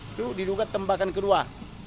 itu diduga tembakan kedua